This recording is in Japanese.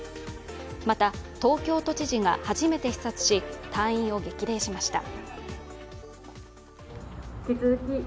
また、東京都知事が初めて視察し、隊員を激励しました。